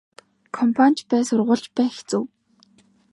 Компани ч бай сургууль ч бай хэцүү.